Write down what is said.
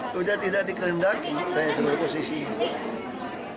sudah tidak dikehendaki saya sebagai posisi ini